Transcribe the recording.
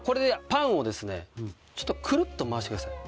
パンをクルクル回してください。